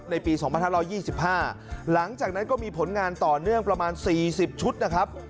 ปี๒๕๒๕หลังจากนั้นก็มีผลงานต่อเนื่องประมาณ๔๐ชุดนะครับ